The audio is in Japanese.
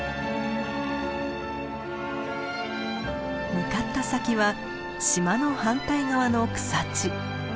向かった先は島の反対側の草地。